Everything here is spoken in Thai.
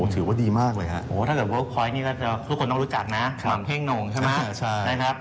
ถือว่าดีมากเลยครับ